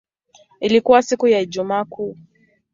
Ilikuwa siku ya Ijumaa Kuu.